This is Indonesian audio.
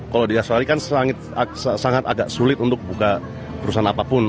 kalau di australia kan sangat agak sulit untuk buka perusahaan apapun